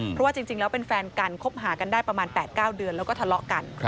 เพราะว่าจริงแล้วเป็นแฟนกันคบหากันได้ประมาณ๘๙เดือนแล้วก็ทะเลาะกัน